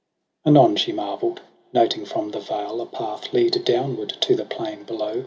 Anon she marvel'd noting from the vale A path lead downward to the plain below.